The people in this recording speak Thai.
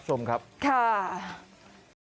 แซม